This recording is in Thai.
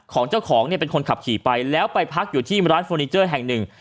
ของเจ้าของเนี่ยเป็นคนขับขี่ไปแล้วไปพักอยู่ที่ร้านเฟอร์นิเจอร์แห่งหนึ่ง